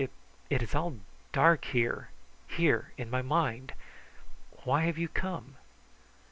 It is all dark here here in my mind. Why have you come?"